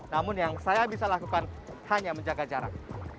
namun yang saya bisa lakukan hanya menjaga jarak